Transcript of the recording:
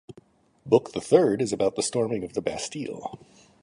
Book the Third is about the storming of the Bastille.